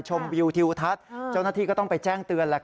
วิวทิวทัศน์เจ้าหน้าที่ก็ต้องไปแจ้งเตือนแหละ